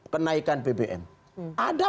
kenaikan bbm ada